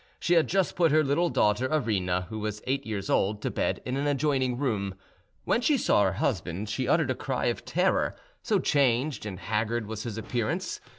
She had just put her little daughter Arina, who was eight years old, to bed in an adjoining room. When she saw her husband, she uttered a cry of terror, so changed and haggard was his appearance.